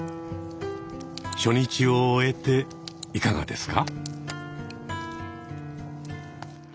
初日を終えていかがですか？